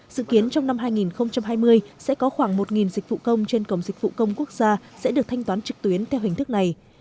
dự kiến trong năm hai nghìn hai mươi sẽ có khoảng một dịch vụ công trên cổng dịch vụ công quốc gia sẽ được thanh toán trực tuyến theo hình thức này